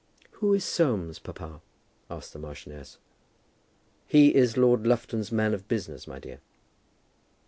"Who is Soames, papa?" asked the marchioness. "He is Lord Lufton's man of business, my dear."